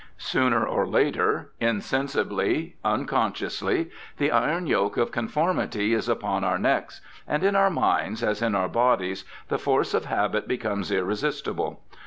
Sooner or later— insensibly, unconsciously — the iron yoke of conformity is upon our necks; and in our minds, as in our bodies, the force of habit becomes 300 BIOGRAPHICAL ESSAYS irresistible.